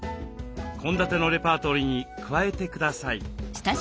献立のレパートリーに加えてください。